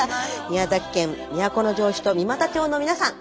宮崎県都城市と三股町のみなさん